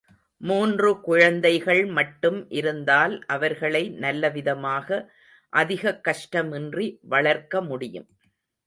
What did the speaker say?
மூன்று குழந்தைகள் மட்டும் இருந்தால் அவர்களை நல்லவிதமாக அதிகக் கஷ்டமின்றி வளர்க்க முடியும்.